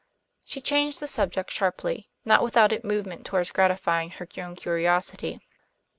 She changed the subject sharply, not without it movement toward gratifying her own curiosity.